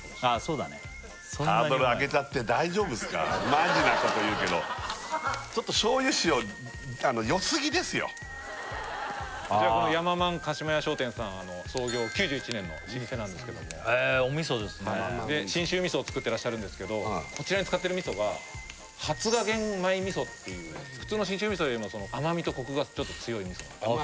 マジなこと言うけどちょっとこの山万加島屋商店さん創業９１年の老舗なんですけどもへえお味噌ですね信州味噌を作ってらっしゃるんですけどこちらで使ってる味噌が発芽玄米味噌っていう普通の信州味噌よりも甘みとコクがちょっと強い味噌なんです